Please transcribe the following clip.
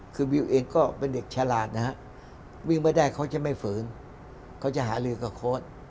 คือวิวเองก็เป็นเด็กฉลาดนะฮะวิ่งไม่ได้เขาจะไม่ฝืนเขาจะหาลือกับโค้ด